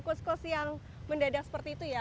kursus kursus yang mendadak seperti itu ya